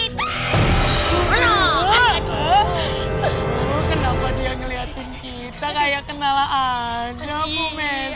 kenapa dia ngeliatin kita kayak kenalan aja ibu messi